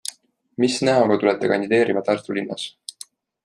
Mis näoga tulete kandideerima Tartu linnas?